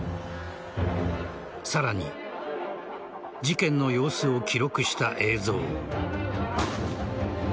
さらに事件の様子を記録した映像。